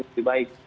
yang lebih baik